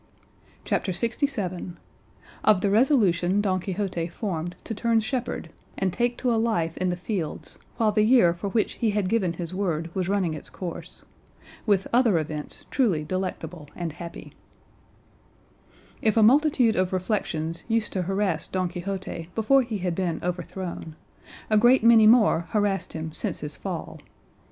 CHAPTER LXVII. OF THE RESOLUTION DON QUIXOTE FORMED TO TURN SHEPHERD AND TAKE TO A LIFE IN THE FIELDS WHILE THE YEAR FOR WHICH HE HAD GIVEN HIS WORD WAS RUNNING ITS COURSE; WITH OTHER EVENTS TRULY DELECTABLE AND HAPPY If a multitude of reflections used to harass Don Quixote before he had been overthrown, a great many more harassed him since his fall.